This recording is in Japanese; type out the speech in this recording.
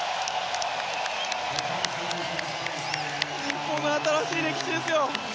日本の新しい歴史ですよ。